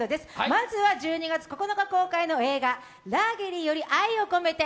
まずは１２月９日公開の映画「ラーゲリより愛を込めて」